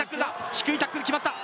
低いタックル決まった。